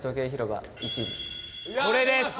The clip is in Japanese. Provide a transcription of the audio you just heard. これです！